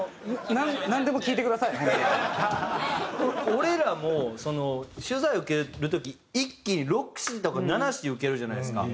俺らも取材受ける時一気に６誌とか７誌受けるじゃないですか。